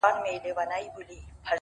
خدای په ژړا دی!! خدای پرېشان دی!!